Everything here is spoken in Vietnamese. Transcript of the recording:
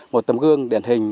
một tấm gương điển hình